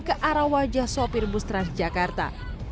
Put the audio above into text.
ke arah wajah sopir bus transjakarta